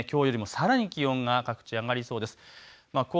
きょうよりもさらに気温が各地、上がりそうです。